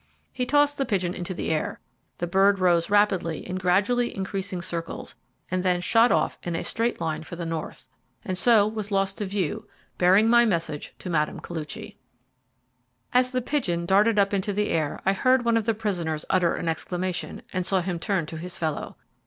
He tossed the pigeon into the air: the bird rose rapidly in gradually increasing circles, and then shot off in a straight line for the north, and so was lost to view bearing my message to Mme. Koluchy. As the pigeon darted up into the air I heard one of the prisoners utter an exclamation, and saw him turn to his fellow.